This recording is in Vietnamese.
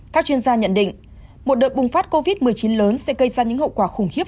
các chuyên gia nhận định một đợt bùng phát covid một mươi chín lớn sẽ gây ra những hậu quả khủng khiếp